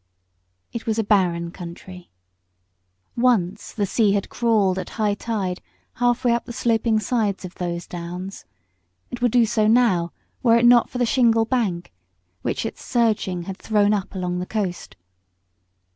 It was a barren country. Once the sea had crawled at high tide half way up the sloping sides of those downs. It would do so now were it not for the shingle bank which its surging had thrown up along the coast.